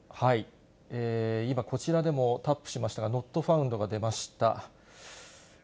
今、こちらでもタップしましたが、ノットファウンドが出ました。